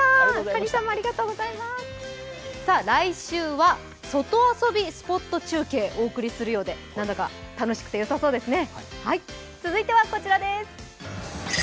来週は外遊びスポット中継をお送りするようで何だか楽しくてよさそうですね。